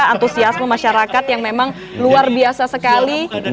antusiasme masyarakat yang memang luar biasa sekali